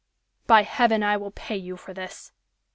"By heaven, I will pay you for this."